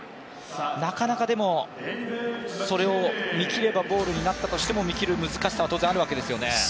なかなかでも、それを見切ればボールになったとしても見切る難しさは当然あるんですよね。